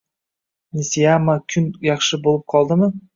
Nisiyama-kun yaxshi bo`lib qoldimi